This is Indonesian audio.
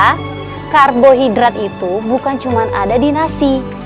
karena karbohidrat itu bukan cuma ada di nasi